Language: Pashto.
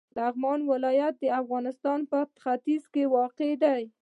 لغمان ولایت د افغانستان په ختیځ کې واقع دی.